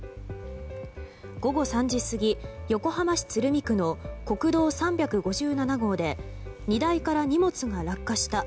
午後３時過ぎ、横浜市鶴見区の国道３５７号で荷台から荷物が落下した。